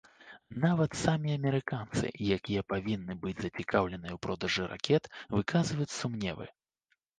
Нават самі амерыканцы, якія павінны быць зацікаўленыя ў продажы ракет, выказваюць сумневы.